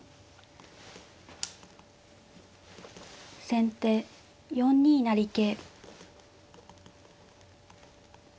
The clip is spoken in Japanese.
先手４二成桂。